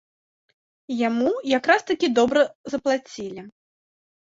Яму якраз-такі добра заплацілі.